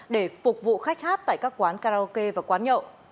để phục vụ khách hát tại các quán karaoke và quán nhậu